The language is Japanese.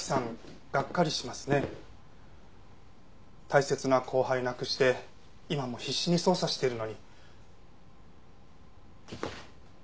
大切な後輩亡くして今も必死に捜査してるのに。